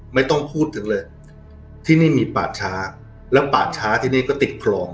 ไม่ต้องพูดถึงเลยที่นี่มีป่าช้าแล้วป่าช้าที่นี่ก็ติดคลอง